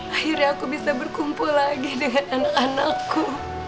akhirnya aku bisa berkumpul lagi dengan anak anakku